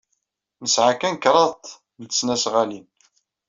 Nesɛa kan kraḍt n tesnasɣalin.